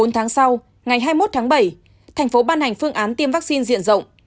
bốn tháng sau ngày hai mươi một tháng bảy thành phố ban hành phương án tiêm vaccine diện rộng